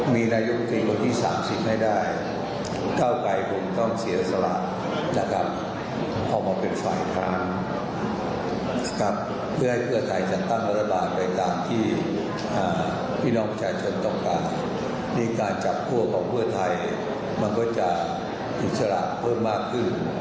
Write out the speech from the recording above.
มันก็จะอิจฉลักษณ์เพิ่มมากขึ้น